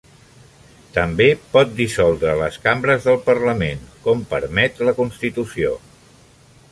També pot dissoldre les cambres del Parlament, com permet la Constitució.